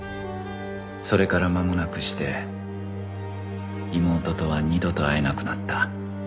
それからまもなくして妹とは二度と会えなくなった